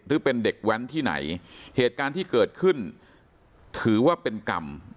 หรือเป็นเด็กแว้นที่ไหนเหตุการณ์ที่เกิดขึ้นถือว่าเป็นกรรม